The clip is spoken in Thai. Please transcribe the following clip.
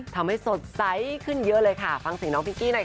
สดใสขึ้นเยอะเลยค่ะฟังเสียงน้องพิงกี้หน่อยค่ะ